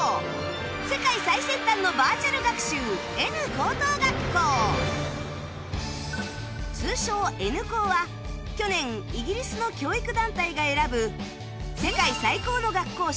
今回は通称 Ｎ 高は去年イギリスの教育団体が選ぶ世界最高の学校賞